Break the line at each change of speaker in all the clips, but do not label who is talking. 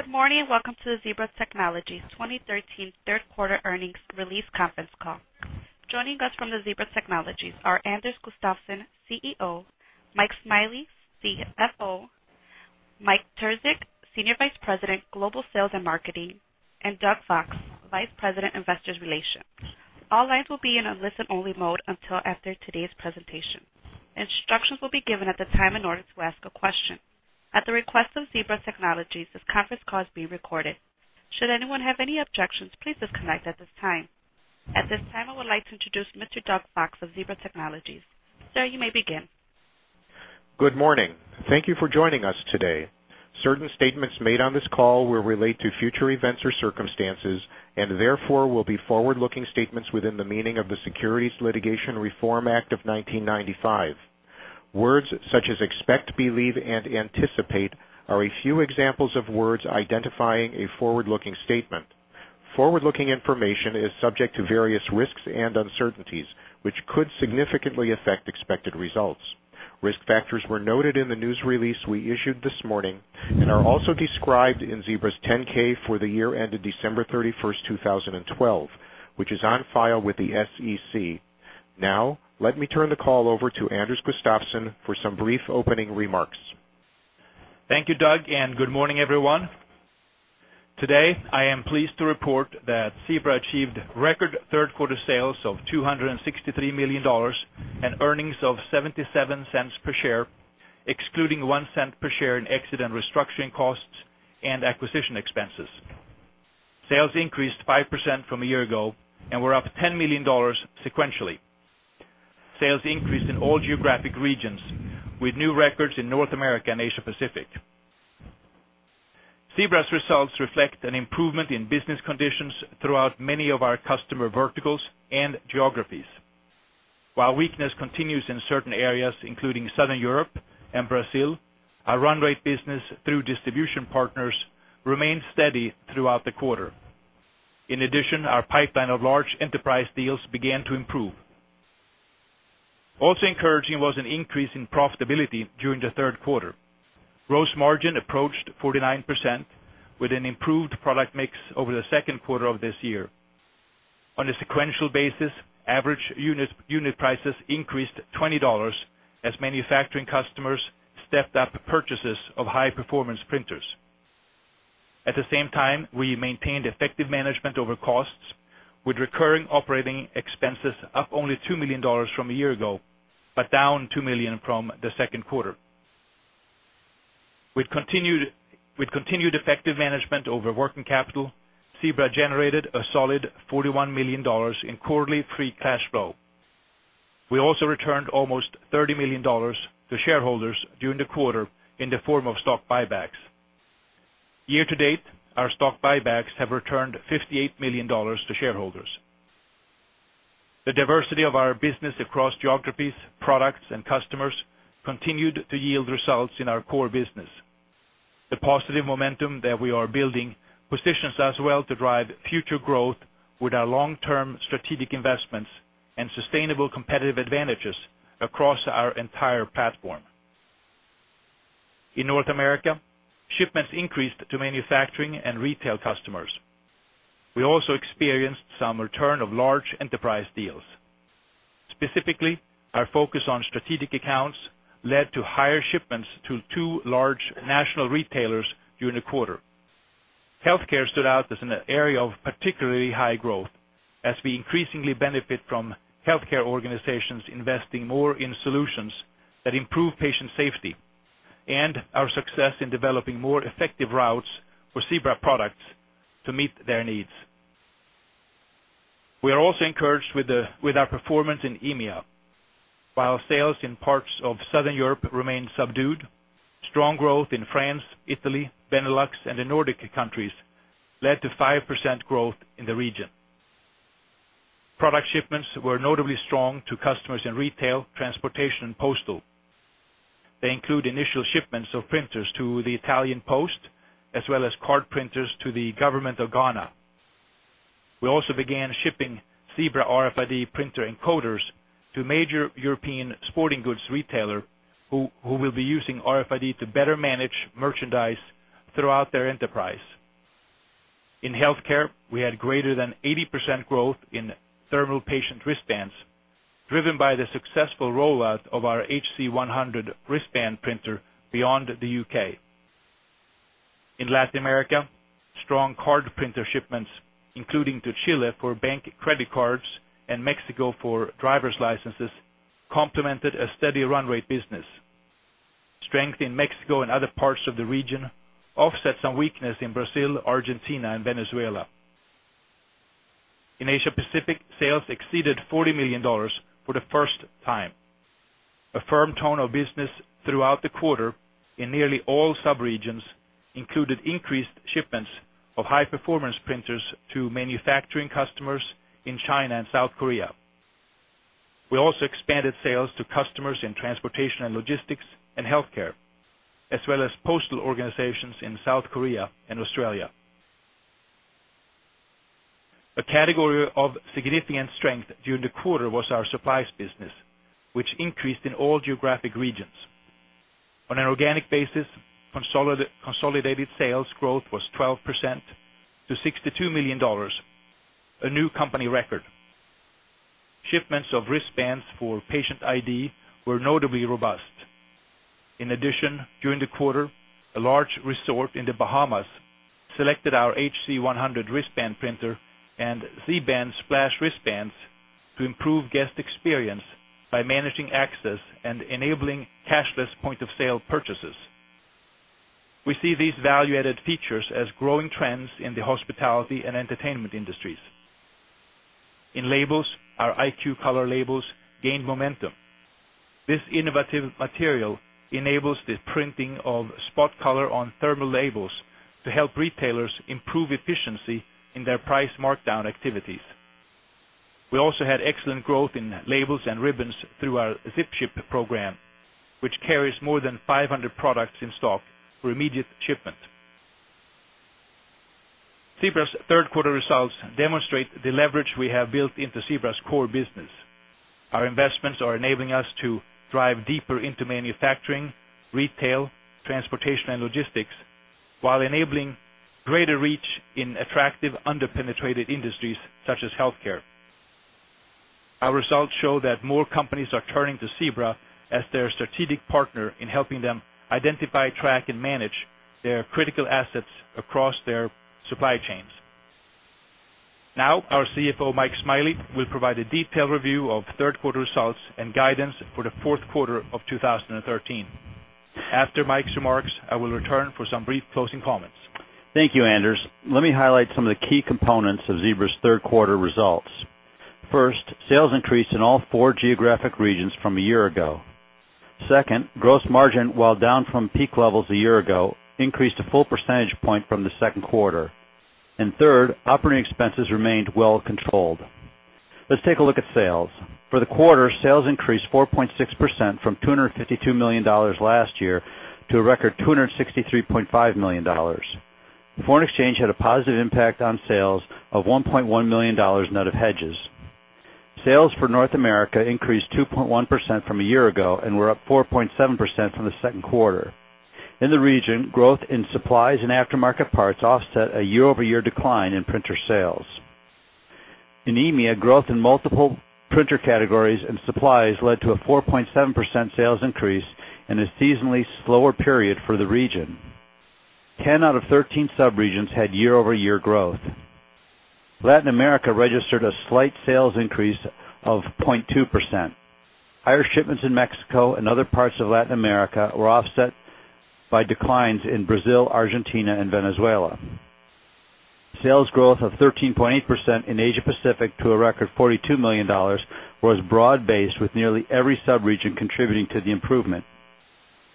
Good morning. Welcome to the Zebra Technologies 2013 Third Quarter Earnings Release Conference Call. Joining us from Zebra Technologies are Anders Gustafsson, CEO, Mike Smiley, CFO, Mike Terzich, Senior Vice President, Global Sales and Marketing, and Doug Fox, Vice President, Investor Relations. All lines will be in a listen-only mode until after today's presentation. Instructions will be given at the time in order to ask a question. At the request of Zebra Technologies, this conference call is being recorded. Should anyone have any objections, please disconnect at this time. At this time, I would like to introduce Mr. Doug Fox of Zebra Technologies. Sir, you may begin.
Good morning. Thank you for joining us today. Certain statements made on this call will relate to future events or circumstances and therefore will be forward-looking statements within the meaning of the Securities Litigation Reform Act of 1995. Words such as expect, believe, and anticipate are a few examples of words identifying a forward-looking statement. Forward-looking information is subject to various risks and uncertainties, which could significantly affect expected results. Risk factors were noted in the news release we issued this morning and are also described in Zebra's Form 10-K for the year ended December 31st, 2012, which is on file with the SEC. Now, let me turn the call over to Anders Gustafsson for some brief opening remarks.
Thank you, Doug, and good morning, everyone. Today, I am pleased to report that Zebra achieved record third quarter sales of $263 million and earnings of $0.77 per share, excluding $0.01 per share in exit and restructuring costs and acquisition expenses. Sales increased 5% from a year ago and were up $10 million sequentially. Sales increased in all geographic regions, with new records in North America and Asia Pacific. Zebra's results reflect an improvement in business conditions throughout many of our customer verticals and geographies. While weakness continues in certain areas, including Southern Europe and Brazil, our run rate business through distribution partners remained steady throughout the quarter. In addition, our pipeline of large enterprise deals began to improve. Also encouraging was an increase in profitability during the third quarter. Gross margin approached 49%, with an improved product mix over the second quarter of this year. On a sequential basis, average unit prices increased $20 as manufacturing customers stepped up purchases of high-performance printers. At the same time, we maintained effective management over costs, with recurring operating expenses up only $2 million from a year ago, but down $2 million from the second quarter. With continued effective management over working capital, Zebra generated a solid $41 million in quarterly free cash flow. We also returned almost $30 million to shareholders during the quarter in the form of stock buybacks. Year to date, our stock buybacks have returned $58 million to shareholders. The diversity of our business across geographies, products, and customers continued to yield results in our core business. The positive momentum that we are building positions us well to drive future growth with our long-term strategic investments and sustainable competitive advantages across our entire platform. In North America, shipments increased to manufacturing and retail customers. We also experienced some return of large enterprise deals. Specifically, our focus on strategic accounts led to higher shipments to two large national retailers during the quarter. Healthcare stood out as an area of particularly high growth, as we increasingly benefit from healthcare organizations investing more in solutions that improve patient safety and our success in developing more effective routes for Zebra products to meet their needs. We are also encouraged with our performance in EMEA. While sales in parts of Southern Europe remained subdued, strong growth in France, Italy, Benelux, and the Nordic countries led to 5% growth in the region. Product shipments were notably strong to customers in retail, transportation, and postal. They include initial shipments of printers to the Italian Post, as well as card printers to the Government of Ghana. We also began shipping Zebra RFID printer encoders to major European sporting goods retailers who will be using RFID to better manage merchandise throughout their enterprise. In healthcare, we had greater than 80% growth in thermal patient wristbands, driven by the successful rollout of our HC100 wristband printer beyond the U.K. In Latin America, strong card printer shipments, including to Chile for bank credit cards and Mexico for driver's licenses, complemented a steady run rate business. Strength in Mexico and other parts of the region offset some weakness in Brazil, Argentina, and Venezuela. In Asia Pacific, sales exceeded $40 million for the first time. A firm tone of business throughout the quarter in nearly all subregions included increased shipments of high-performance printers to manufacturing customers in China and South Korea. We also expanded sales to customers in transportation and logistics and healthcare, as well as postal organizations in South Korea and Australia. A category of significant strength during the quarter was our supplies business, which increased in all geographic regions. On an organic basis, consolidated sales growth was 12% to $62 million, a new company record. Shipments of wristbands for patient ID were notably robust. In addition, during the quarter, a large resort in the Bahamas selected our HC100 wristband printer and Z-Band Splash wristbands to improve guest experience by managing access and enabling cashless point-of-sale purchases. We see these value-added features as growing trends in the hospitality and entertainment industries. In labels, our IQ Color labels gained momentum. This innovative material enables the printing of spot color on thermal labels to help retailers improve efficiency in their price markdown activities. We also had excellent growth in labels and ribbons through our ZipShip program, which carries more than 500 products in stock for immediate shipment. Zebra's third quarter results demonstrate the leverage we have built into Zebra's core business. Our investments are enabling us to drive deeper into manufacturing, retail, transportation, and logistics, while enabling greater reach in attractive under-penetrated industries such as healthcare. Our results show that more companies are turning to Zebra as their strategic partner in helping them identify, track, and manage their critical assets across their supply chains. Now, our CFO, Mike Smiley, will provide a detailed review of third quarter results and guidance for the fourth quarter of 2013. After Mike's remarks, I will return for some brief closing comments.
Thank you, Anders. Let me highlight some of the key components of Zebra's third quarter results. First, sales increased in all four geographic regions from a year ago. Second, gross margin, while down from peak levels a year ago, increased a full percentage point from the second quarter. Third, operating expenses remained well controlled. Let's take a look at sales. For the quarter, sales increased 4.6% from $252 million last year to a record $263.5 million. Foreign exchange had a positive impact on sales of $1.1 million net of hedges. Sales for North America increased 2.1% from a year ago and were up 4.7% from the second quarter. In the region, growth in supplies and aftermarket parts offset a year-over-year decline in printer sales. In EMEA, growth in multiple printer categories and supplies led to a 4.7% sales increase in a seasonally slower period for the region. 10 out of 13 subregions had year-over-year growth. Latin America registered a slight sales increase of 0.2%. Higher shipments in Mexico and other parts of Latin America were offset by declines in Brazil, Argentina, and Venezuela. Sales growth of 13.8% in Asia Pacific to a record $42 million was broad-based, with nearly every subregion contributing to the improvement.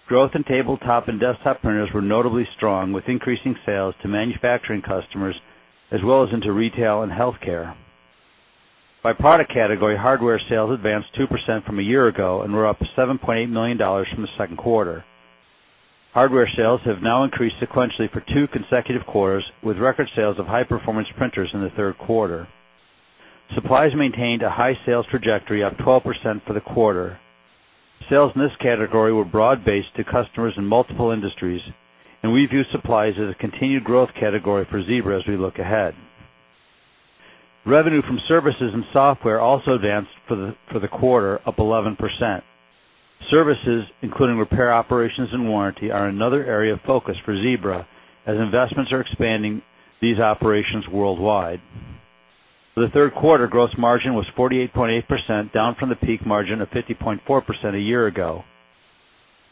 Growth in tabletop and desktop printers was notably strong, with increasing sales to manufacturing customers as well as into retail and healthcare. By product category, hardware sales advanced 2% from a year ago and were up $7.8 million from the second quarter. Hardware sales have now increased sequentially for two consecutive quarters, with record sales of high-performance printers in the third quarter. Supplies maintained a high sales trajectory of 12% for the quarter. Sales in this category were broad-based to customers in multiple industries, and we view supplies as a continued growth category for Zebra as we look ahead. Revenue from services and software also advanced for the quarter, up 11%. Services, including repair operations and warranty, are another area of focus for Zebra, as investments are expanding these operations worldwide. For the third quarter, gross margin was 48.8%, down from the peak margin of 50.4% a year ago.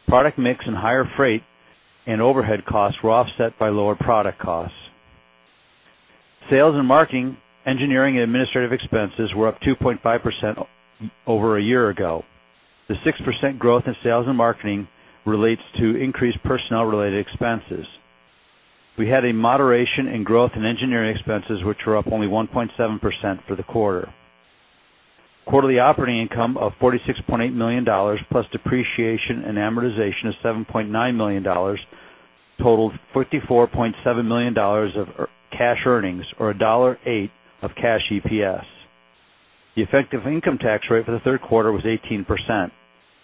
Product mix and higher freight and overhead costs were offset by lower product costs. Sales and marketing, engineering, and administrative expenses were up 2.5% over a year ago. The 6% growth in sales and marketing relates to increased personnel-related expenses. We had a moderation in growth in engineering expenses, which were up only 1.7% for the quarter. Quarterly operating income of $46.8 million, plus depreciation and amortization of $7.9 million, totaled $54.7 million of cash earnings, or $1.08 of cash EPS. The effective income tax rate for the third quarter was 18%.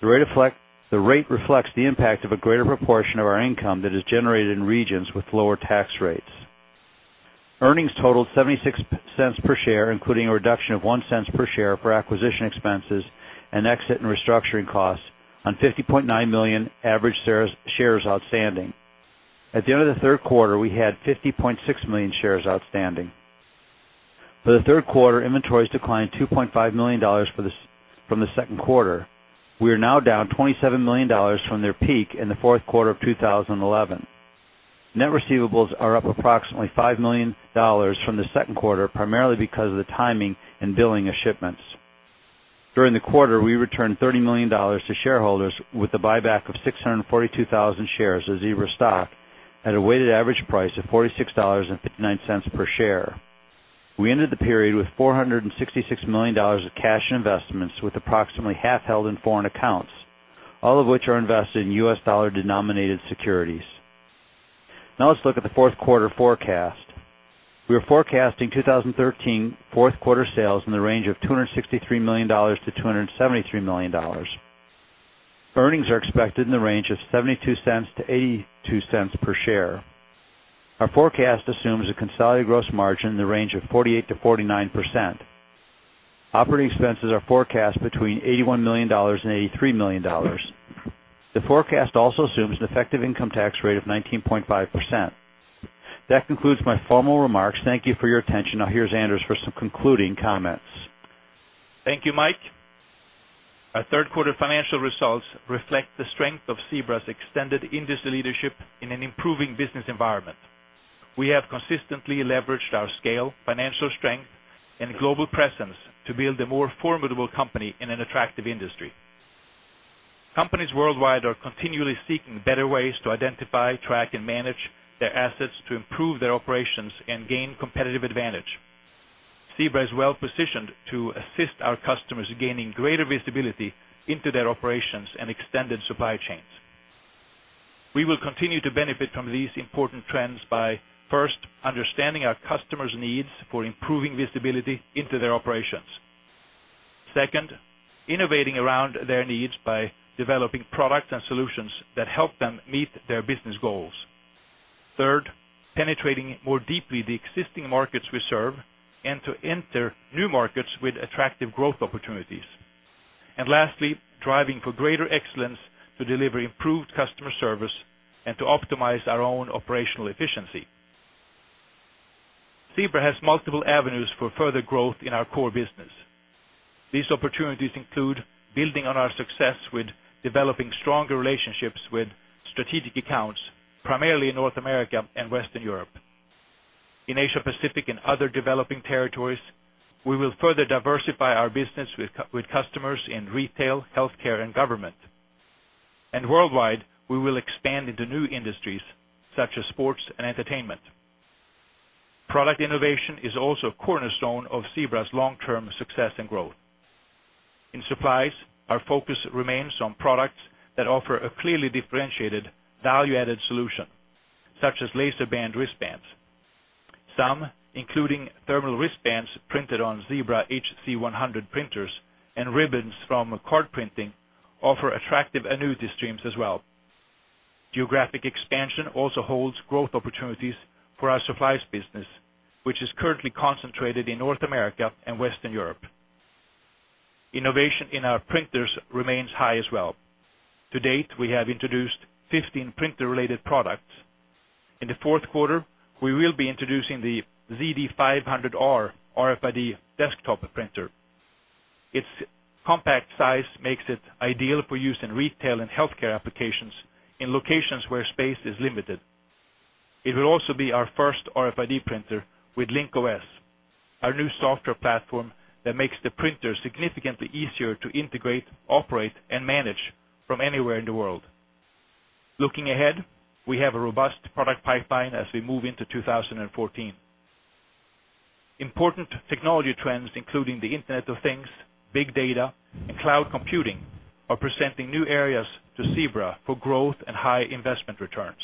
The rate reflects the impact of a greater proportion of our income that is generated in regions with lower tax rates. Earnings totaled $0.76 per share, including a reduction of $0.01 per share for acquisition expenses and exit and restructuring costs on 50.9 million average shares outstanding. At the end of the third quarter, we had 50.6 million shares outstanding. For the third quarter, inventories declined $2.5 million from the second quarter. We are now down $27 million from their peak in the fourth quarter of 2011. Net receivables are up approximately $5 million from the second quarter, primarily because of the timing and billing of shipments. During the quarter, we returned $30 million to shareholders with a buyback of 642,000 shares of Zebra stock at a weighted average price of $46.59 per share. We ended the period with $466 million of cash investments, with approximately half held in foreign accounts, all of which are invested in U.S. dollar-denominated securities. Now, let's look at the fourth quarter forecast. We are forecasting 2013 fourth quarter sales in the range of $263 million-$273 million. Earnings are expected in the range of $0.72-$0.82 per share. Our forecast assumes a consolidated gross margin in the range of 48%-49%. Operating expenses are forecast between $81 million-$83 million. The forecast also assumes an effective income tax rate of 19.5%. That concludes my formal remarks. Thank you for your attention. Now, here's Anders for some concluding comments.
Thank you, Mike. Our third quarter financial results reflect the strength of Zebra's extended industry leadership in an improving business environment. We have consistently leveraged our scale, financial strength, and global presence to build a more formidable company in an attractive industry. Companies worldwide are continually seeking better ways to identify, track, and manage their assets to improve their operations and gain competitive advantage. Zebra is well positioned to assist our customers in gaining greater visibility into their operations and extended supply chains. We will continue to benefit from these important trends by, first, understanding our customers' needs for improving visibility into their operations. Second, innovating around their needs by developing products and solutions that help them meet their business goals. Third, penetrating more deeply the existing markets we serve and to enter new markets with attractive growth opportunities. And lastly, driving for greater excellence to deliver improved customer service and to optimize our own operational efficiency. Zebra has multiple avenues for further growth in our core business. These opportunities include building on our success with developing stronger relationships with strategic accounts, primarily in North America and Western Europe. In Asia Pacific and other developing territories, we will further diversify our business with customers in retail, healthcare, and government. And worldwide, we will expand into new industries such as sports and entertainment. Product innovation is also a cornerstone of Zebra's long-term success and growth. In supplies, our focus remains on products that offer a clearly differentiated value-added solution, such as LaserBand wristbands. Some, including thermal wristbands printed on Zebra HC100 printers and ribbons from card printing, offer attractive annuity streams as well. Geographic expansion also holds growth opportunities for our supplies business, which is currently concentrated in North America and Western Europe. Innovation in our printers remains high as well. To date, we have introduced 15 printer-related products. In the fourth quarter, we will be introducing the ZD500R RFID desktop printer. Its compact size makes it ideal for use in retail and healthcare applications in locations where space is limited. It will also be our first RFID printer with Link-OS, our new software platform that makes the printer significantly easier to integrate, operate, and manage from anywhere in the world. Looking ahead, we have a robust product pipeline as we move into 2014. Important technology trends, including the Internet of Things, Big Data, and Cloud Computing, are presenting new areas to Zebra for growth and high investment returns.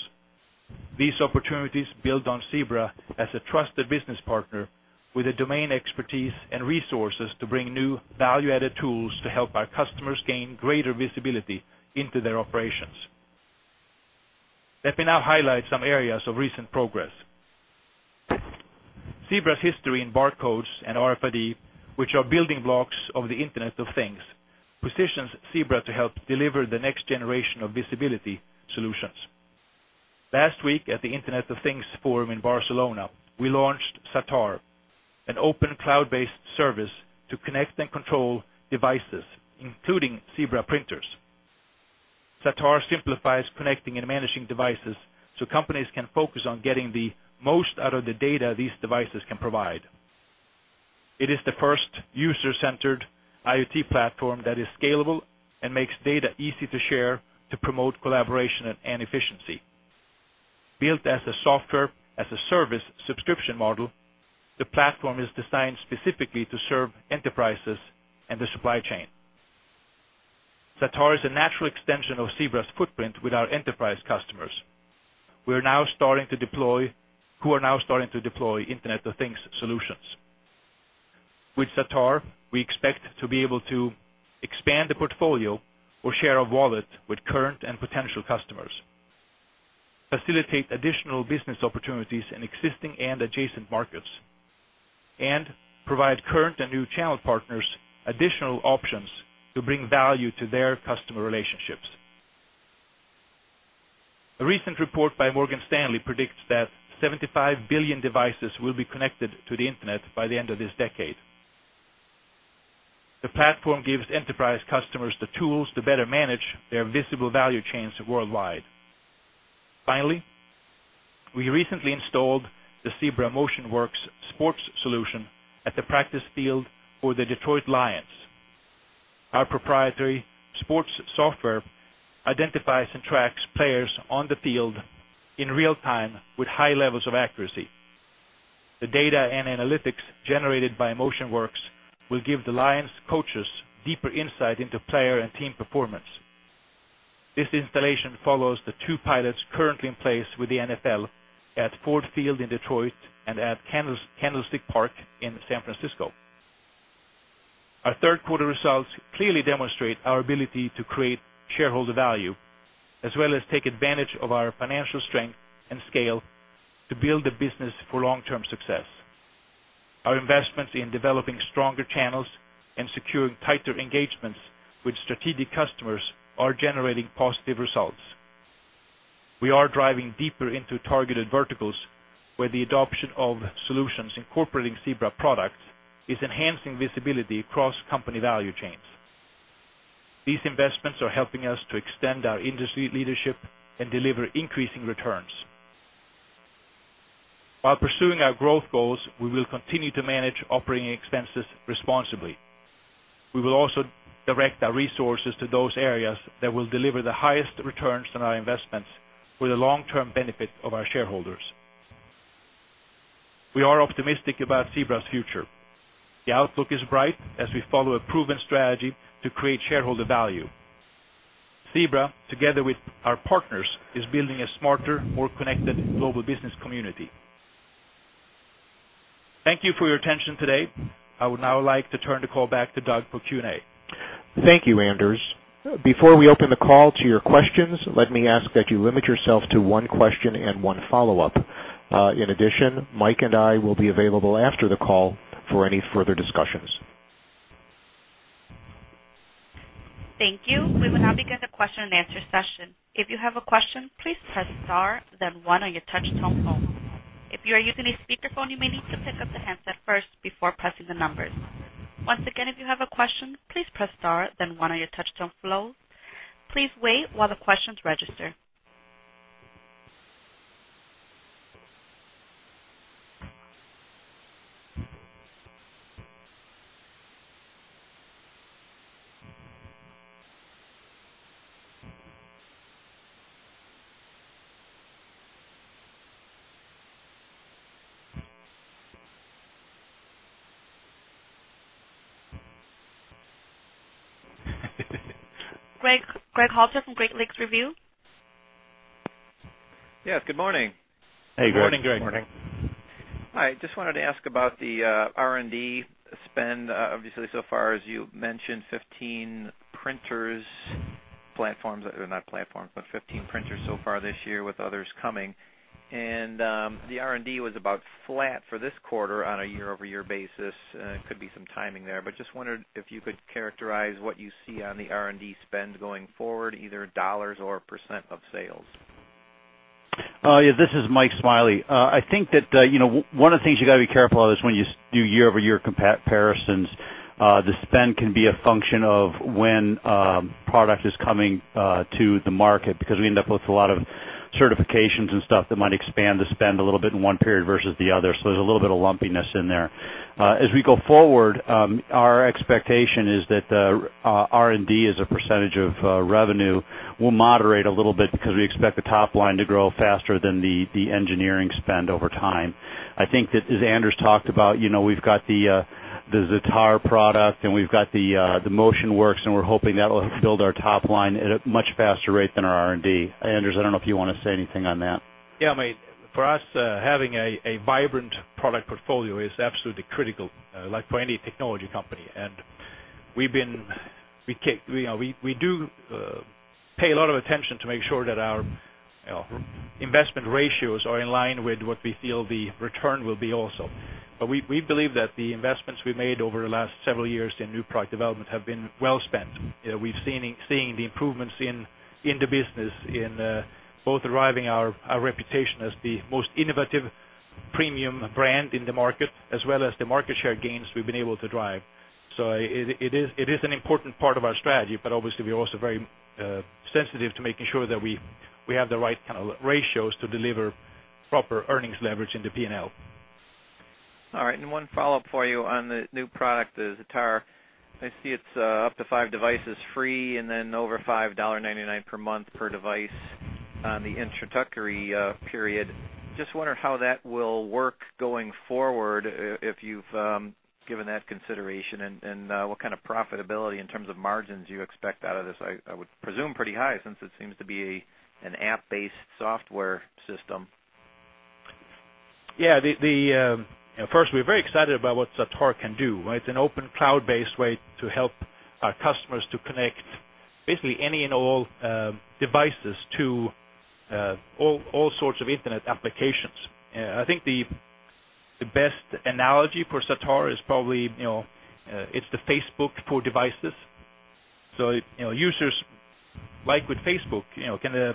These opportunities build on Zebra as a trusted business partner with domain expertise and resources to bring new value-added tools to help our customers gain greater visibility into their operations. Let me now highlight some areas of recent progress. Zebra's history in barcodes and RFID, which are building blocks of the Internet of Things, positions Zebra to help deliver the next generation of visibility solutions. Last week, at the Internet of Things forum in Barcelona, we launched Zatar, an open cloud-based service to connect and control devices, including Zebra printers. Zatar simplifies connecting and managing devices so companies can focus on getting the most out of the data these devices can provide. It is the first user-centered IoT platform that is scalable and makes data easy to share to promote collaboration and efficiency. Built as a software-as-a-service subscription model, the platform is designed specifically to serve enterprises and the supply chain. Zatar is a natural extension of Zebra's footprint with our enterprise customers. We are now starting to deploy Internet of Things solutions. With Zatar, we expect to be able to expand the portfolio or share a wallet with current and potential customers, facilitate additional business opportunities in existing and adjacent markets, and provide current and new channel partners additional options to bring value to their customer relationships. A recent report by Morgan Stanley predicts that 75 billion devices will be connected to the Internet by the end of this decade. The platform gives enterprise customers the tools to better manage their visible value chains worldwide. Finally, we recently installed the Zebra MotionWorks sports solution at the practice field for the Detroit Lions. Our proprietary sports software identifies and tracks players on the field in real time with high levels of accuracy. The data and analytics generated by MotionWorks will give the Lions coaches deeper insight into player and team performance. This installation follows the two pilots currently in place with the NFL at Ford Field in Detroit and at Candlestick Park in San Francisco. Our third quarter results clearly demonstrate our ability to create shareholder value, as well as take advantage of our financial strength and scale to build a business for long-term success. Our investments in developing stronger channels and securing tighter engagements with strategic customers are generating positive results. We are driving deeper into targeted verticals where the adoption of solutions incorporating Zebra products is enhancing visibility across company value chains. These investments are helping us to extend our industry leadership and deliver increasing returns. While pursuing our growth goals, we will continue to manage operating expenses responsibly. We will also direct our resources to those areas that will deliver the highest returns on our investments for the long-term benefit of our shareholders. We are optimistic about Zebra's future. The outlook is bright as we follow a proven strategy to create shareholder value. Zebra, together with our partners, is building a smarter, more connected global business community. Thank you for your attention today. I would now like to turn the call back to Doug for Q&A.
Thank you, Anders. Before we open the call to your questions, let me ask that you limit yourself to one question and one follow-up. In addition, Mike and I will be available after the call for any further discussions.
Thank you. We will now begin the question-and-answer session. If you have a question, please press star, then one on your touchtone phone. If you are using a speakerphone, you may need to pick up the handset first before pressing the numbers. Once again, if you have a question, please press star, then one on your touchtone phone. Please wait while the questions register. Greg Halter from Great Lakes Review.
Yes, good morning.
Hey, Greg.
Good morning.
Good morning.
Hi. Just wanted to ask about the R&D spend. Obviously, so far, as you mentioned, 15 printers platforms, not platforms, but 15 printers so far this year with others coming. The R&D was about flat for this quarter on a year-over-year basis. There could be some timing there. Just wondered if you could characterize what you see on the R&D spend going forward, either dollars or percent of sales.
Yeah, this is Mike Smiley. I think that one of the things you've got to be careful of is when you do year-over-year comparisons, the spend can be a function of when product is coming to the market because we end up with a lot of certifications and stuff that might expand the spend a little bit in one period versus the other. So there's a little bit of lumpiness in there. As we go forward, our expectation is that R&D, as a percentage of revenue, will moderate a little bit because we expect the top line to grow faster than the engineering spend over time. I think that, as Anders talked about, we've got the Zatar product and we've got the MotionWorks, and we're hoping that will help build our top line at a much faster rate than our R&D. Anders, I don't know if you want to say anything on that.
Yeah, mate. For us, having a vibrant product portfolio is absolutely critical, like for any technology company. And we do pay a lot of attention to make sure that our investment ratios are in line with what we feel the return will be also. But we believe that the investments we made over the last several years in new product development have been well spent. We've seen the improvements in the business in both driving our reputation as the most innovative premium brand in the market, as well as the market share gains we've been able to drive. So it is an important part of our strategy, but obviously, we're also very sensitive to making sure that we have the right kind of ratios to deliver proper earnings leverage in the P&L.
All right. One follow-up for you on the new product, the Zatar. I see it's up to 5 devices free and then over $5.99 per month per device on the introductory period. Just wondered how that will work going forward if you've given that consideration and what kind of profitability in terms of margins you expect out of this. I would presume pretty high since it seems to be an app-based software system.
Yeah. First, we're very excited about what Zatar can do. It's an open cloud-based way to help our customers to connect basically any and all devices to all sorts of Internet applications. I think the best analogy for Zatar is probably it's the Facebook for devices. So users, like with Facebook, the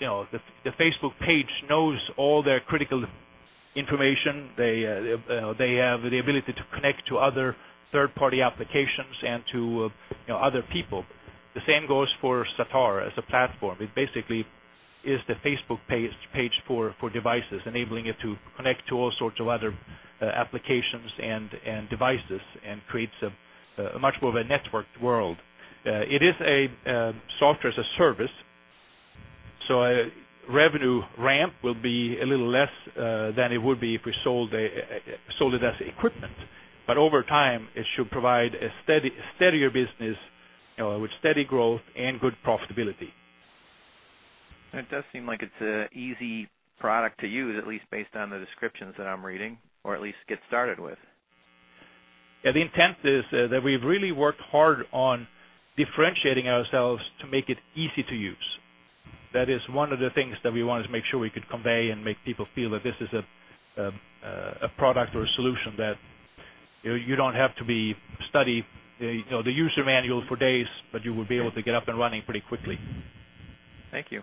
Facebook page knows all their critical information. They have the ability to connect to other third-party applications and to other people. The same goes for Zatar as a platform. It basically is the Facebook page for devices, enabling it to connect to all sorts of other applications and devices and creates a much more of a networked world. It is a software-as-a-service, so revenue ramp will be a little less than it would be if we sold it as equipment. But over time, it should provide a steadier business with steady growth and good profitability.
It does seem like it's an easy product to use, at least based on the descriptions that I'm reading, or at least get started with. Yeah. The intent is that we've really worked hard on differentiating ourselves to make it easy to use. That is one of the things that we wanted to make sure we could convey and make people feel that this is a product or a solution that you don't have to study the user manual for days, but you will be able to get up and running pretty quickly. Thank you.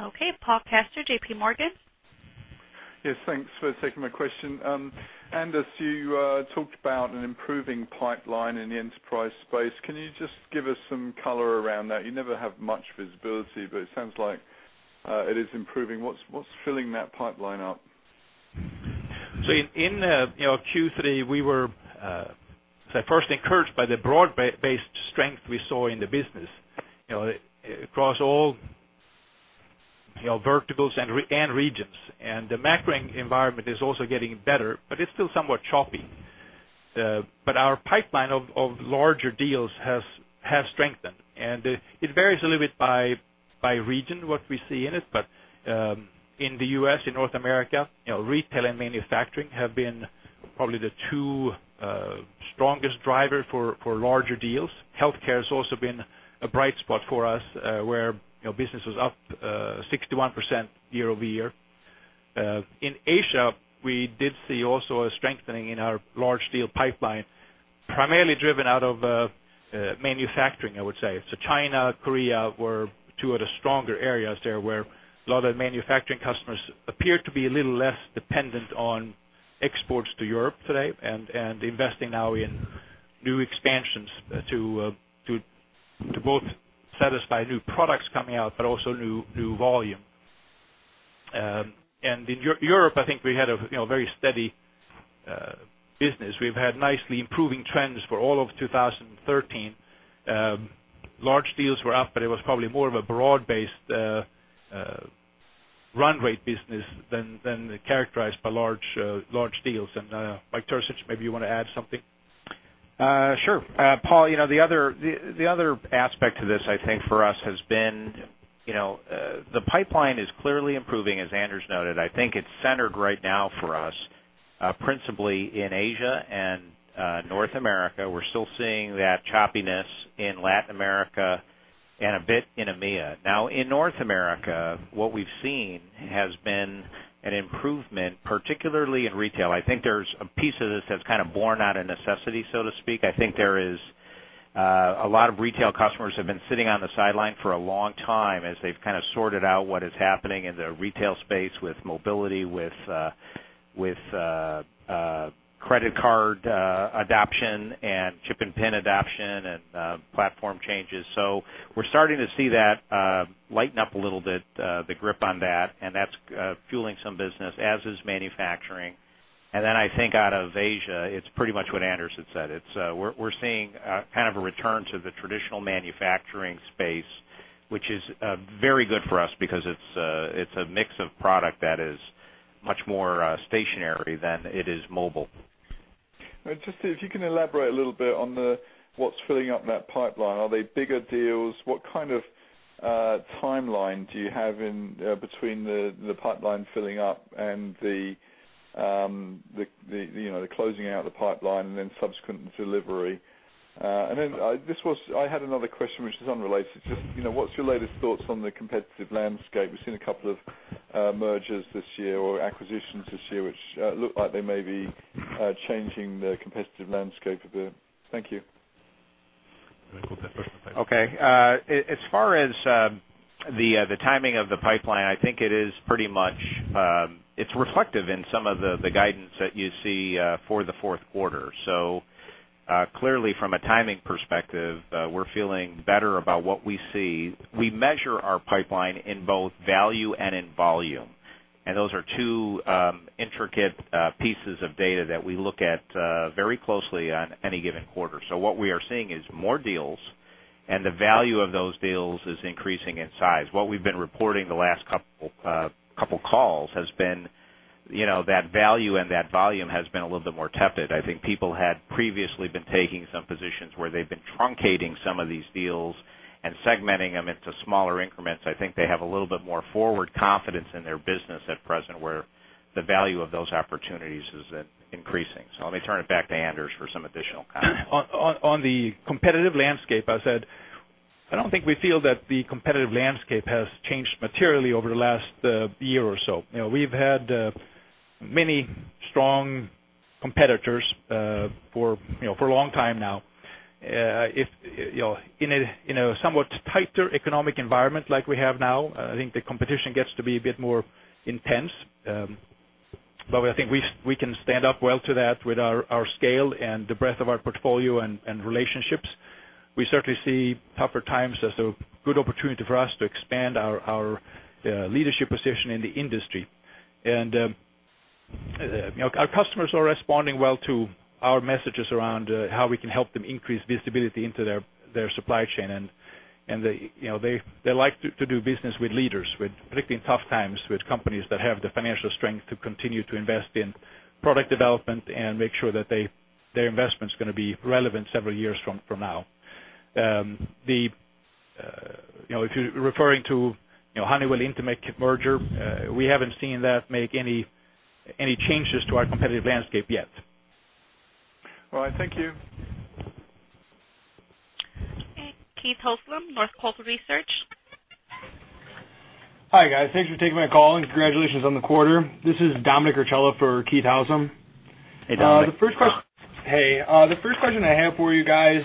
Okay. Paul Coster, JPMorgan.
Yes, thanks for taking my question. Anders, you talked about an improving pipeline in the enterprise space. Can you just give us some color around that? You never have much visibility, but it sounds like it is improving. What's filling that pipeline up?
So in Q3, we were first encouraged by the broad-based strength we saw in the business across all verticals and regions. The macro environment is also getting better, but it's still somewhat choppy. Our pipeline of larger deals has strengthened. It varies a little bit by region, what we see in it. In the U.S., in North America, retail and manufacturing have been probably the two strongest drivers for larger deals. Healthcare has also been a bright spot for us where business was up 61% year-over-year. In Asia, we did see also a strengthening in our large deal pipeline, primarily driven out of manufacturing, I would say. So China, Korea were two of the stronger areas there where a lot of manufacturing customers appear to be a little less dependent on exports to Europe today and investing now in new expansions to both satisfy new products coming out, but also new volume. And in Europe, I think we had a very steady business. We've had nicely improving trends for all of 2013. Large deals were up, but it was probably more of a broad-based run rate business than characterized by large deals. And Mike Terzich, maybe you want to add something?
Sure. Paul, the other aspect to this, I think, for us has been the pipeline is clearly improving, as Anders noted. I think it's centered right now for us principally in Asia and North America. We're still seeing that choppiness in Latin America and a bit in EMEA. Now, in North America, what we've seen has been an improvement, particularly in retail. I think there's a piece of this that's kind of borne out of necessity, so to speak. I think there is a lot of retail customers have been sitting on the sideline for a long time as they've kind of sorted out what is happening in the retail space with mobility, with credit card adoption and chip and PIN adoption and platform changes. So we're starting to see that lighten up a little bit, the grip on that, and that's fueling some business, as is manufacturing. Then I think out of Asia, it's pretty much what Anders had said. We're seeing kind of a return to the traditional manufacturing space, which is very good for us because it's a mix of product that is much more stationary than it is mobile.
Just if you can elaborate a little bit on what's filling up that pipeline. Are they bigger deals? What kind of timeline do you have between the pipeline filling up and the closing out of the pipeline and then subsequent delivery? And then I had another question, which is unrelated. Just what's your latest thoughts on the competitive landscape? We've seen a couple of mergers this year or acquisitions this year, which look like they may be changing the competitive landscape a bit. Thank you.
Very cool. Thanks for clarifying. Okay. As far as the timing of the pipeline, I think it is pretty much reflective in some of the guidance that you see for the fourth quarter. So clearly, from a timing perspective, we're feeling better about what we see. We measure our pipeline in both value and in volume. Those are two intricate pieces of data that we look at very closely on any given quarter. So what we are seeing is more deals, and the value of those deals is increasing in size. What we've been reporting the last couple of calls has been that value and that volume has been a little bit more tepid. I think people had previously been taking some positions where they've been truncating some of these deals and segmenting them into smaller increments. I think they have a little bit more forward confidence in their business at present, where the value of those opportunities is increasing. So let me turn it back to Anders for some additional comments.
On the competitive landscape, I said I don't think we feel that the competitive landscape has changed materially over the last year or so. We've had many strong competitors for a long time now. In a somewhat tighter economic environment like we have now, I think the competition gets to be a bit more intense. I think we can stand up well to that with our scale and the breadth of our portfolio and relationships. We certainly see tougher times as a good opportunity for us to expand our leadership position in the industry. Our customers are responding well to our messages around how we can help them increase visibility into their supply chain. They like to do business with leaders, particularly in tough times, with companies that have the financial strength to continue to invest in product development and make sure that their investment is going to be relevant several years from now. If you're referring to Honeywell Intermec merger, we haven't seen that make any changes to our competitive landscape yet.
All right. Thank you.
Okay. Keith Housum, Northcoast Research.
Hi, guys. Thanks for taking my call and congratulations on the quarter. This is Dominic Archella for Keith Housum.
Hey, Dominic.
Hey. The first question I have for you guys,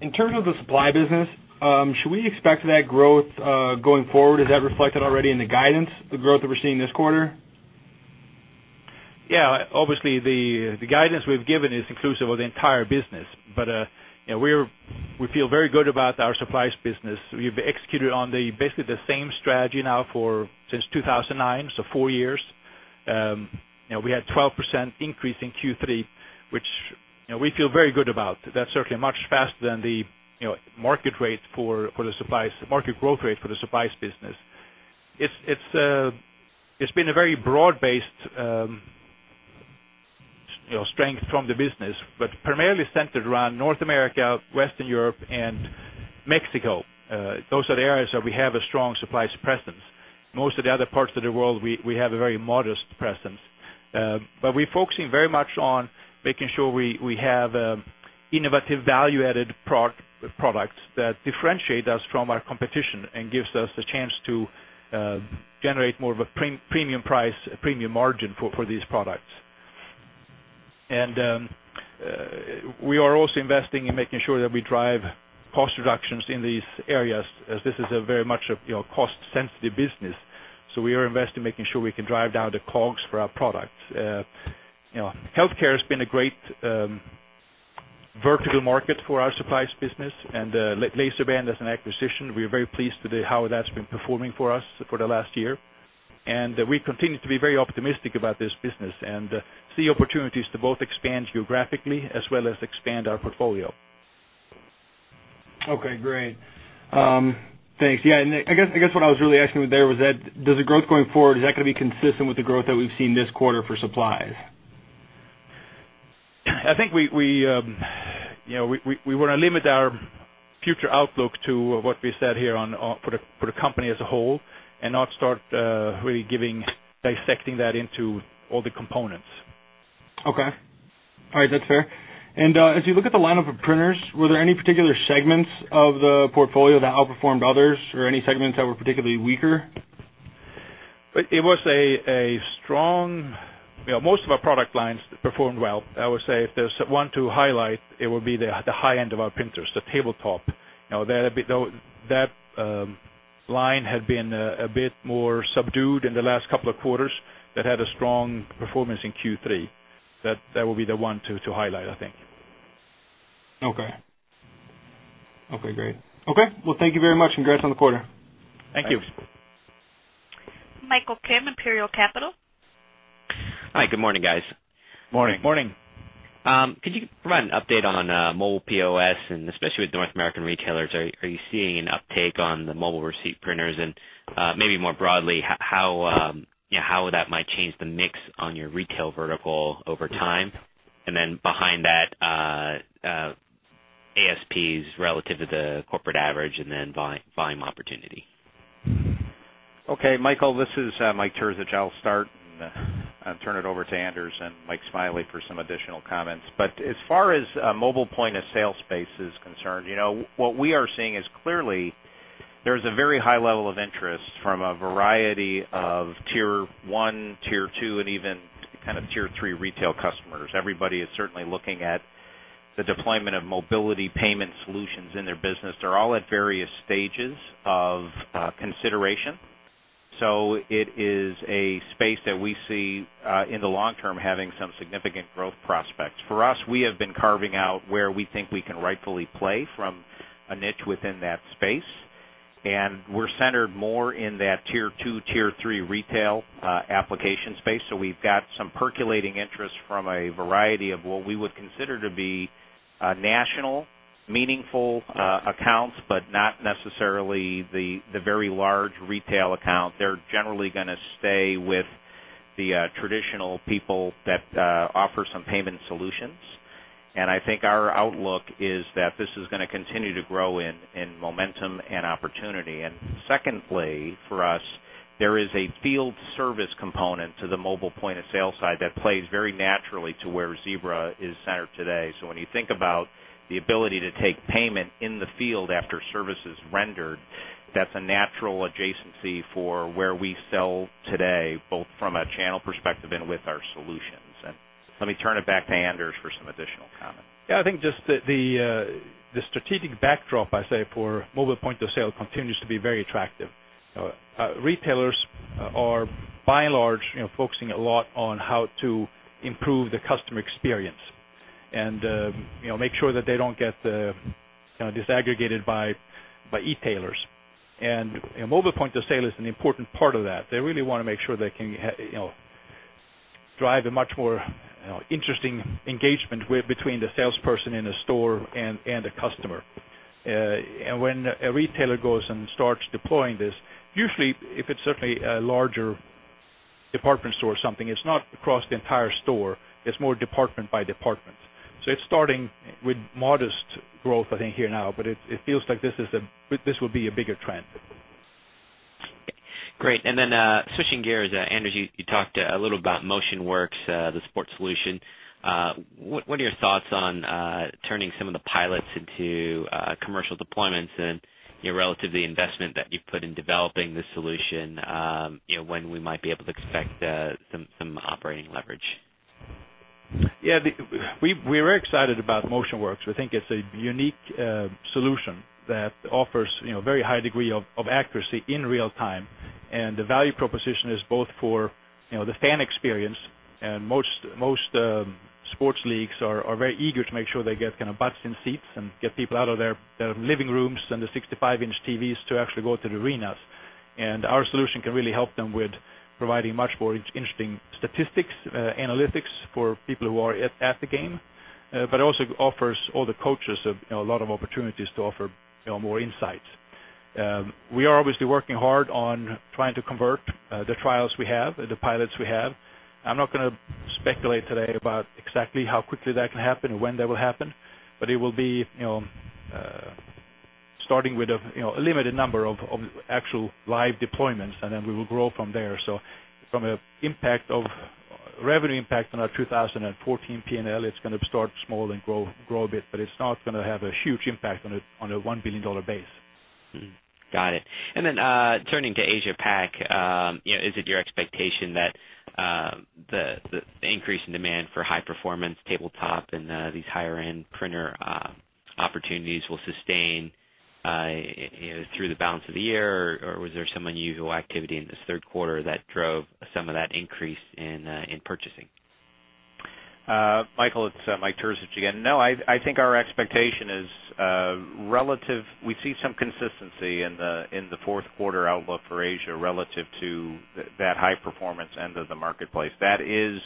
in terms of the supply business, should we expect that growth going forward? Is that reflected already in the guidance, the growth that we're seeing this quarter?
Yeah. Obviously, the guidance we've given is inclusive of the entire business. But we feel very good about our supplies business. We've executed on basically the same strategy now since 2009, so four years. We had a 12% increase in Q3, which we feel very good about. That's certainly much faster than the market rate for the supplies, market growth rate for the supplies business. It's been a very broad-based strength from the business, but primarily centered around North America, Western Europe, and Mexico. Those are the areas where we have a strong supplies presence. Most of the other parts of the world, we have a very modest presence. But we're focusing very much on making sure we have innovative value-added products that differentiate us from our competition and gives us a chance to generate more of a premium price, premium margin for these products. We are also investing in making sure that we drive cost reductions in these areas, as this is very much a cost-sensitive business. So we are investing in making sure we can drive down the COGS for our products. Healthcare has been a great vertical market for our supplies business, and the LaserBand acquisition. We're very pleased with how that's been performing for us for the last year. We continue to be very optimistic about this business and see opportunities to both expand geographically as well as expand our portfolio.
Okay. Great. Thanks. Yeah. And I guess what I was really asking there was, does the growth going forward, is that going to be consistent with the growth that we've seen this quarter for supplies?
I think we want to limit our future outlook to what we said here for the company as a whole and not start really dissecting that into all the components.
Okay. All right. That's fair. And as you look at the lineup of printers, were there any particular segments of the portfolio that outperformed others or any segments that were particularly weaker?
It was strong. Most of our product lines performed well. I would say if there's one to highlight, it would be the high end of our printers, the tabletop. That line had been a bit more subdued in the last couple of quarters. That had a strong performance in Q3. That would be the one to highlight, I think.
Okay. Okay. Great. Okay. Well, thank you very much and congrats on the quarter.
Thank you.
Michael Kim, Imperial Capital.
Hi. Good morning, guys.
Morning.
Morning.
Could you provide an update on mobile POS and especially with North American retailers? Are you seeing an uptake on the mobile receipt printers? And maybe more broadly, how that might change the mix on your retail vertical over time? And then behind that, ASPs relative to the corporate average and then volume opportunity.
Okay. Michael, this is Mike Terzich. I'll start and turn it over to Anders and Mike Smiley for some additional comments. But as far as mobile point of sale space is concerned, what we are seeing is clearly there's a very high level of interest from a variety of tier one, tier two, and even kind of tier three retail customers. Everybody is certainly looking at the deployment of mobile payment solutions in their business. They're all at various stages of consideration. So it is a space that we see in the long term having some significant growth prospects. For us, we have been carving out where we think we can rightfully play from a niche within that space. And we're centered more in that tier two, tier three retail application space. So we've got some percolating interest from a variety of what we would consider to be national, meaningful accounts, but not necessarily the very large retail account. They're generally going to stay with the traditional people that offer some payment solutions. And I think our outlook is that this is going to continue to grow in momentum and opportunity. And secondly, for us, there is a field service component to the mobile point of sale side that plays very naturally to where Zebra is centered today. So when you think about the ability to take payment in the field after service is rendered, that's a natural adjacency for where we sell today, both from a channel perspective and with our solutions. And let me turn it back to Anders for some additional comments.
Yeah. I think just the strategic backdrop, I say, for mobile point of sale continues to be very attractive. Retailers are, by and large, focusing a lot on how to improve the customer experience and make sure that they don't get disaggregated by e-tailers. And mobile point of sale is an important part of that. They really want to make sure they can drive a much more interesting engagement between the salesperson in a store and a customer. And when a retailer goes and starts deploying this, usually if it's certainly a larger department store or something, it's not across the entire store. It's more department by department. So it's starting with modest growth, I think, here now, but it feels like this will be a bigger trend.
Great. And then switching gears, Anders, you talked a little about MotionWorks, the sports solution. What are your thoughts on turning some of the pilots into commercial deployments and relative to the investment that you've put in developing this solution when we might be able to expect some operating leverage?
Yeah. We are excited about MotionWorks. We think it's a unique solution that offers a very high degree of accuracy in real time. The value proposition is both for the fan experience. Most sports leagues are very eager to make sure they get kind of butts in seats and get people out of their living rooms and the 65-inch TVs to actually go to the arenas. Our solution can really help them with providing much more interesting statistics, analytics for people who are at the game, but also offers all the coaches a lot of opportunities to offer more insights. We are obviously working hard on trying to convert the trials we have and the pilots we have. I'm not going to speculate today about exactly how quickly that can happen and when that will happen, but it will be starting with a limited number of actual live deployments, and then we will grow from there. So from a revenue impact on our 2014 P&L, it's going to start small and grow a bit, but it's not going to have a huge impact on a $1 billion base.
Got it. And then turning to Asia-Pac, is it your expectation that the increase in demand for high-performance tabletop and these higher-end printer opportunities will sustain through the balance of the year, or was there some unusual activity in this third quarter that drove some of that increase in purchasing?
Michael, it's Mike Terzich again. No, I think our expectation is relative, we see some consistency in the fourth quarter outlook for Asia relative to that high performance end of the marketplace. That is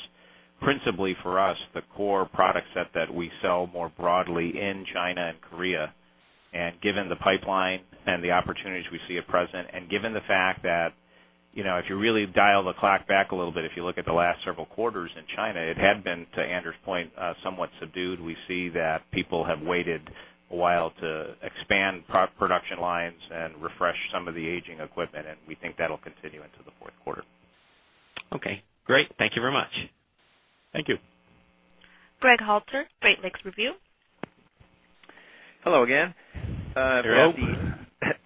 principally for us the core product set that we sell more broadly in China and Korea. And given the pipeline and the opportunities we see at present, and given the fact that if you really dial the clock back a little bit, if you look at the last several quarters in China, it had been, to Anders' point, somewhat subdued. We see that people have waited a while to expand production lines and refresh some of the aging equipment, and we think that'll continue into the fourth quarter.
Okay. Great. Thank you very much.
Thank you.
Greg Halter, Great Lakes Review.
Hello again.
Hello.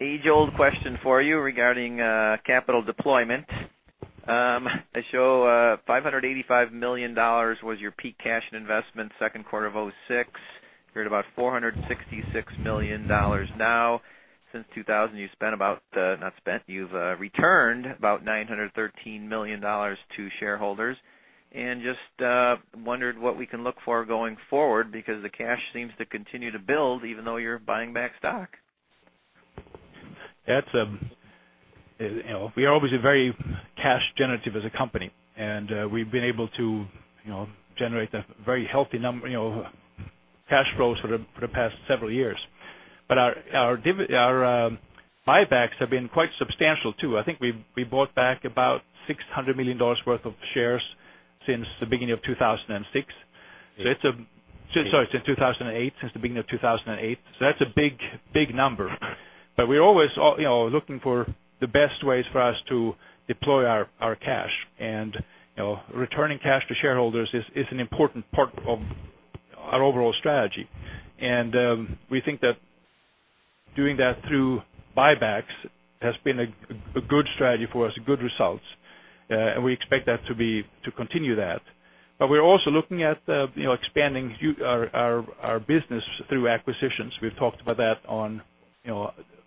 Age-old question for you regarding capital deployment. I show $585 million was your peak cash investment second quarter of 2006. You're at about $466 million now. Since 2000, you've spent about—not spent—you've returned about $913 million to shareholders. And just wondered what we can look for going forward because the cash seems to continue to build even though you're buying back stock.
We are always very cash-generative as a company, and we've been able to generate a very healthy cash flow for the past several years. But our buybacks have been quite substantial too. I think we bought back about $600 million worth of shares since the beginning of 2006. Sorry, since 2008, since the beginning of 2008. So that's a big number. But we're always looking for the best ways for us to deploy our cash. And returning cash to shareholders is an important part of our overall strategy. And we think that doing that through buybacks has been a good strategy for us, good results. And we expect that to continue that. But we're also looking at expanding our business through acquisitions. We've talked about that on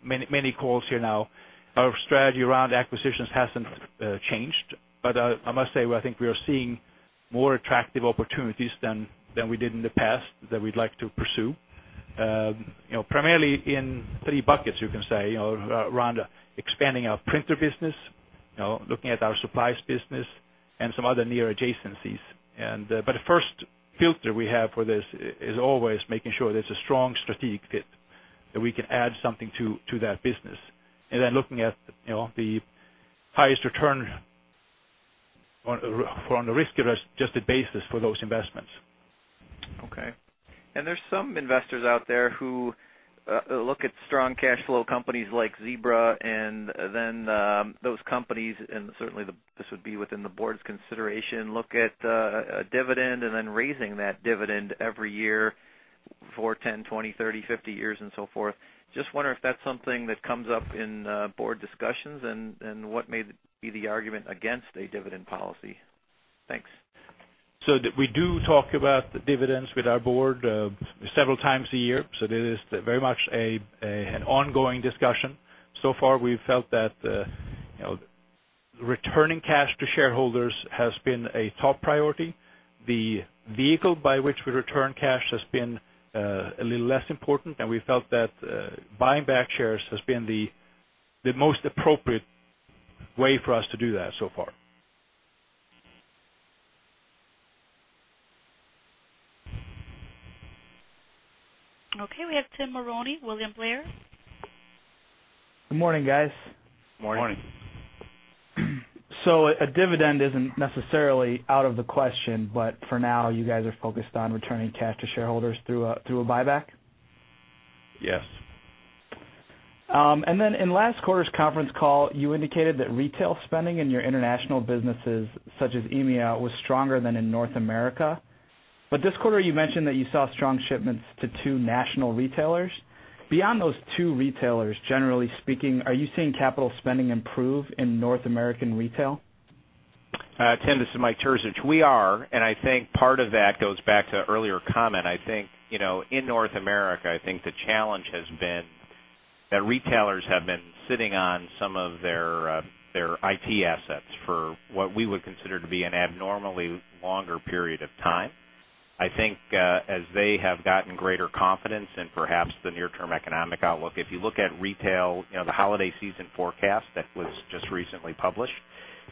many calls here now. Our strategy around acquisitions hasn't changed. But I must say, I think we are seeing more attractive opportunities than we did in the past that we'd like to pursue, primarily in three buckets, you can say, around expanding our printer business, looking at our supplies business, and some other near adjacencies. But the first filter we have for this is always making sure there's a strong strategic fit that we can add something to that business. And then looking at the highest return on a risk-adjusted basis for those investments.
Okay. And there's some investors out there who look at strong cash flow companies like Zebra, and then those companies, and certainly this would be within the board's consideration, look at dividend and then raising that dividend every year for 10, 20, 30, 50 years, and so forth. Just wonder if that's something that comes up in board discussions and what may be the argument against a dividend policy? Thanks.
We do talk about dividends with our board several times a year. It is very much an ongoing discussion. So far, we've felt that returning cash to shareholders has been a top priority. The vehicle by which we return cash has been a little less important, and we felt that buying back shares has been the most appropriate way for us to do that so far.
Okay. We have Tim Mulrooney, William Blair.
Good morning, guys.
Morning.
Morning. So a dividend isn't necessarily out of the question, but for now, you guys are focused on returning cash to shareholders through a buyback?
Yes.
Then in last quarter's conference call, you indicated that retail spending in your international businesses such as EMEA was stronger than in North America. This quarter, you mentioned that you saw strong shipments to two national retailers. Beyond those two retailers, generally speaking, are you seeing capital spending improve in North American retail?
Tim, this is Mike Terzich. We are. I think part of that goes back to earlier comment. I think in North America, I think the challenge has been that retailers have been sitting on some of their IT assets for what we would consider to be an abnormally longer period of time. I think as they have gotten greater confidence in perhaps the near-term economic outlook, if you look at retail, the holiday season forecast that was just recently published,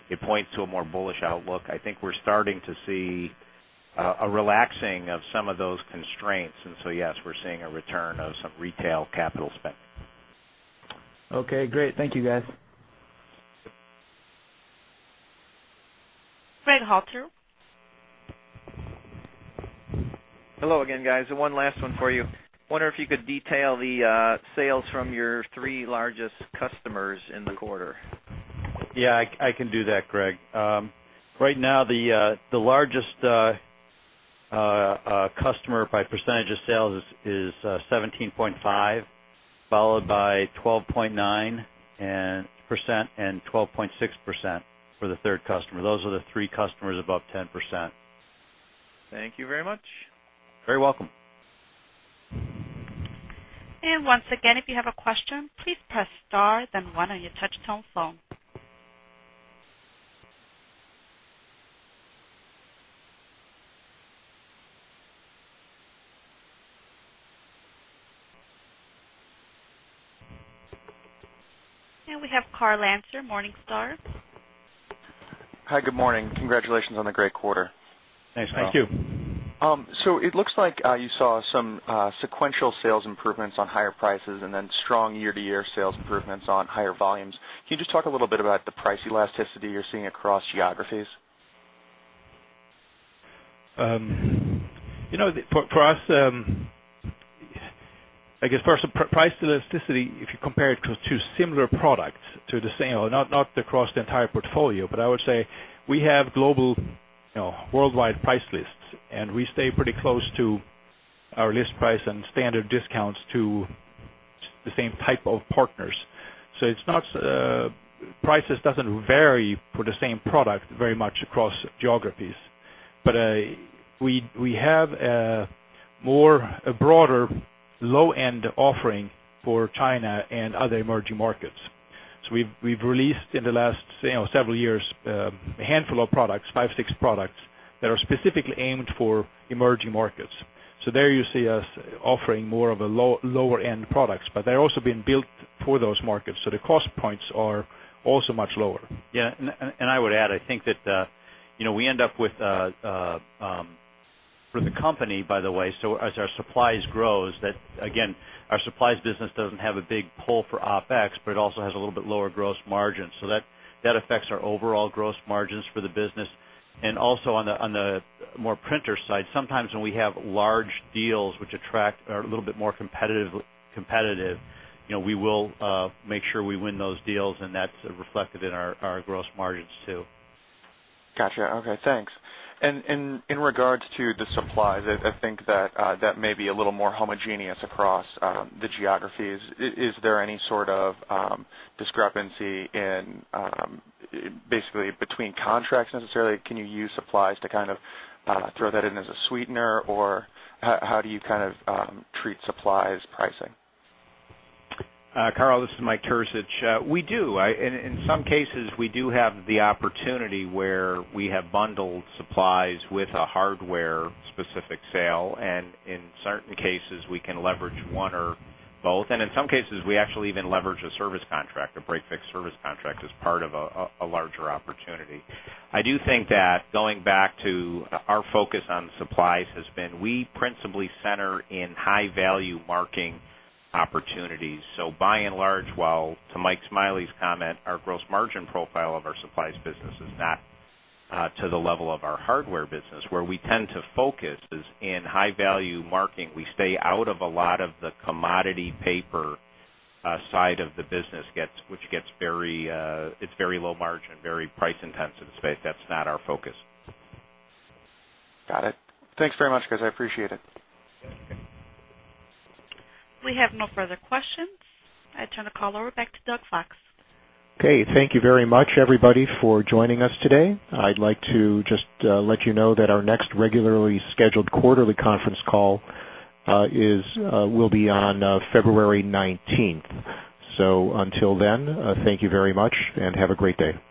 it points to a more bullish outlook. I think we're starting to see a relaxing of some of those constraints. So yes, we're seeing a return of some retail capital spending.
Okay. Great. Thank you, guys.
Greg Halter.
Hello again, guys. One last one for you. I wonder if you could detail the sales from your three largest customers in the quarter.
Yeah. I can do that, Greg. Right now, the largest customer by percentage of sales is 17.5%, followed by 12.9% and 12.6% for the third customer. Those are the three customers above 10%.
Thank you very much.
Very welcome.
And once again, if you have a question, please press star, then one on your touch-tone phone. And we have Carl Landseadel, Morningstar.
Hi, good morning. Congratulations on the great quarter.
Thanks.
Thank you.
It looks like you saw some sequential sales improvements on higher prices and then strong year-to-year sales improvements on higher volumes. Can you just talk a little bit about the price elasticity you're seeing across geographies?
For us, I guess, price elasticity, if you compare it to similar products to the same, not across the entire portfolio, but I would say we have global, worldwide price lists, and we stay pretty close to our list price and standard discounts to the same type of partners. Prices doesn't vary for the same product very much across geographies. We have a broader low-end offering for China and other emerging markets. We've released in the last several years a handful of products, 5, 6 products that are specifically aimed for emerging markets. So there you see us offering more of a lower-end product, but they're also being built for those markets. So the cost points are also much lower.
Yeah. I would add, I think that we end up with, for the company, by the way, so as our supplies grow, again, our supplies business doesn't have a big pull for OpEx, but it also has a little bit lower gross margin. So that affects our overall gross margins for the business. And also on the more printer side, sometimes when we have large deals which attract a little bit more competitive, we will make sure we win those deals, and that's reflected in our gross margins too.
Gotcha. Okay. Thanks. And in regards to the supplies, I think that may be a little more homogeneous across the geographies. Is there any sort of discrepancy basically between contracts necessarily? Can you use supplies to kind of throw that in as a sweetener, or how do you kind of treat supplies pricing?
Carl, this is Mike Terzich. We do. In some cases, we do have the opportunity where we have bundled supplies with a hardware-specific sale. And in certain cases, we can leverage one or both. And in some cases, we actually even leverage a service contract, a break-fix service contract as part of a larger opportunity. I do think that going back to our focus on supplies has been we principally center in high-value marking opportunities. So by and large, while to Mike Smiley's comment, our gross margin profile of our supplies business is not to the level of our hardware business, where we tend to focus in high-value marking, we stay out of a lot of the commodity paper side of the business, which gets very, it's very low margin, very price-intensive space. That's not our focus.
Got it. Thanks very much, guys. I appreciate it.
We have no further questions. I turn the call over back to Doug Fox.
Okay. Thank you very much, everybody, for joining us today. I'd like to just let you know that our next regularly scheduled quarterly conference call will be on February 19th. So until then, thank you very much, and have a great day.